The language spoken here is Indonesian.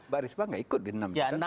baris banget gak ikut di enam itu kan